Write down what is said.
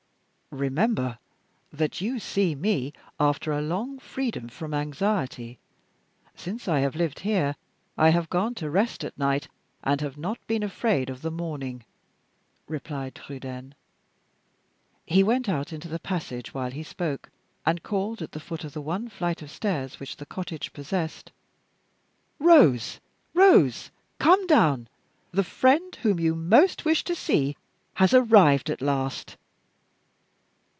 "Remember that you see me after a long freedom from anxiety. Since I have lived here, I have gone to rest at night, and have not been afraid of the morning," replied Trudaine. He went out into the passage while he spoke, and called at the foot of the one flight of stairs which the cottage possessed, "Rose! Rose! come down! The friend whom you most wished to see has arrived at last."